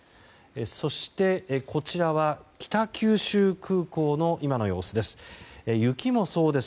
そして、こちらは北九州空港の今の様子です。